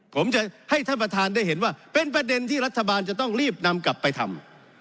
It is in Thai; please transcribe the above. ผมจะให้ท่านประธานได้เห็นว่าเป็นประเด็นที่รัฐบาลจะต้องรีบนำกลับไปทำ